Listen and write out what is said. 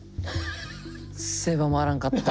狭まらんかった。